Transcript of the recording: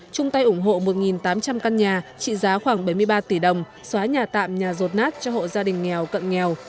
chung tay ủng hộ một tám trăm linh căn nhà trị giá khoảng bảy mươi ba tỷ đồng xóa nhà tạm nhà rột nát cho hộ gia đình nghèo cận nghèo